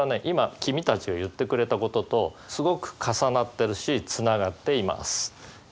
今君たちが言ってくれたこととすごく重なってるしつながっています。